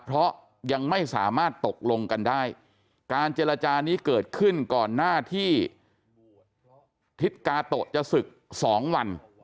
เพราะยังไม่สามารถตกลงกันได้การเจรจานี้เกิดขึ้นก่อนหน้าที่ทิศกาโตะจะศึก๒วัน